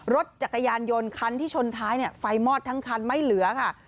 รถจักรยานยนต์คันที่ชนท้ายไฟมอดทั้งคันไม่เหลือค่ะ